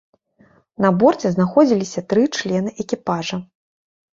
На борце знаходзіліся тры члены экіпажа.